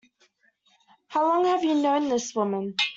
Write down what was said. How long have you known this woman?